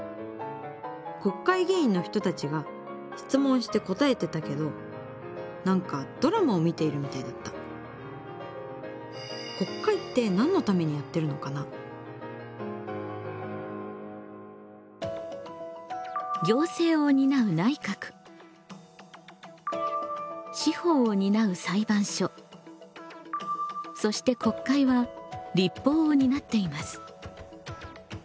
国会議員の人たちが質問して答えてたけど何かドラマを見ているみたいだった行政を担う内閣司法を担う裁判所そして国会は立法を担っています。